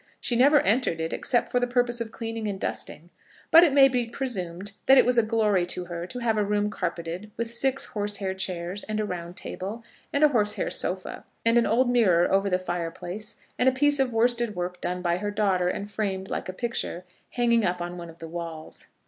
She never entered it except for the purpose of cleaning and dusting. But it may be presumed that it was a glory to her to have a room carpeted, with six horsehair chairs, and a round table, and a horsehair sofa, and an old mirror over the fireplace, and a piece of worsted work done by her daughter and framed like a picture, hanging up on one of the walls.